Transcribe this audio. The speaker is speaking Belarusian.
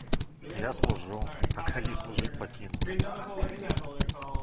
Я служу, а калі служыць пакіну?